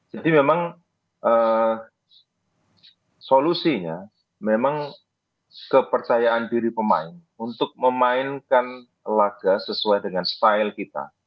jadi memang solusinya memang kepercayaan diri pemain untuk memainkan laga sesuai dengan style kita